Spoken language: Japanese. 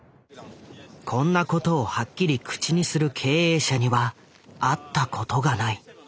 「こんなことをはっきり口にする経営者には会ったことがない」。